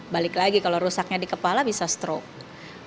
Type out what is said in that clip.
balik lagi kalau rusaknya di kepala bisa stroke